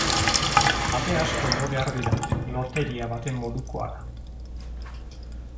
Ate asko jo behar dira, loteria baten modukoa da.